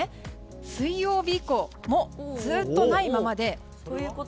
水曜日以降もずっとないままで。